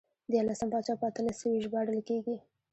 دیارلسم پاچا په اتلس سوی ژباړل کېږي.